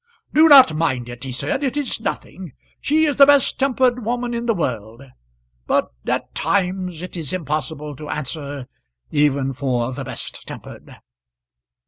"Do not mind it," he said; "it is nothing. She is the best tempered woman in the world; but at times it is impossible to answer even for the best tempered."